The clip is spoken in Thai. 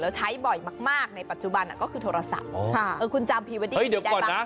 แล้วใช้บ่อยมากในปัจจุบันก็คือโทรศัพท์คุณจำพรีเวดดี้เด็กได้ป่ะ